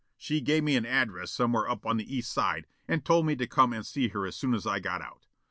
She gave me an address somewhere up on the East Side and told me to come and see her as soon as I got out.